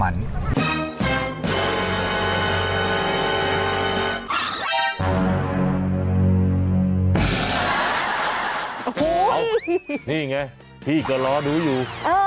นี่ไงพี่ก็รอดูอยู่